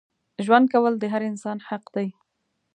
ژوند کول د هر انسان حق دی.